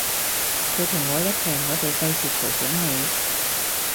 佢同我一齊，我哋費事嘈醒你